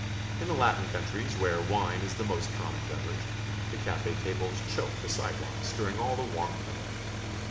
In the Latin countries, where wine is the most common beverage, the cafe tables choke the sidewalks during all the warm weather.